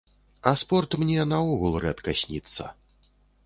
А спорт мне наогул рэдка сніцца.